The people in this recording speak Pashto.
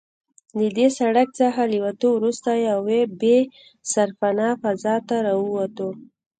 له دې سړک څخه له وتو وروسته یوې بې سرپنا فضا ته راووتو.